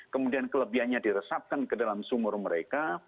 kemudian kelebihannya diresapkan ke dalam sumur mereka